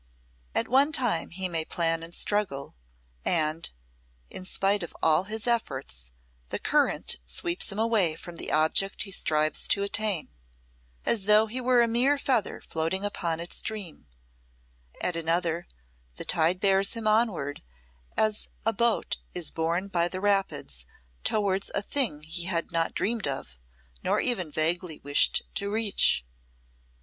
At one time he may plan and struggle, and, in spite of all his efforts, the current sweeps him away from the object he strives to attain as though he were a mere feather floating upon its stream; at another, the tide bears him onward as a boat is borne by the rapids, towards a thing he had not dreamed of, nor even vaguely wished to reach.